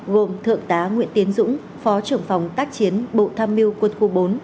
gồm thượng tá nguyễn tiến dũng phó trưởng phòng tác chiến bộ tham mưu quân khu bốn